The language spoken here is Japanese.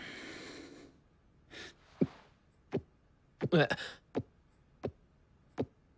えっ。